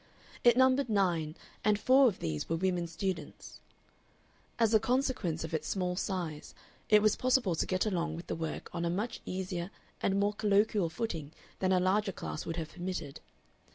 It numbered nine, and four of these were women students. As a consequence of its small size, it was possible to get along with the work on a much easier and more colloquial footing than a larger class would have permitted.